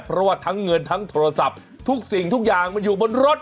เพราะว่าทั้งเงินทั้งโทรศัพท์ทุกสิ่งทุกอย่างมันอยู่บนรถ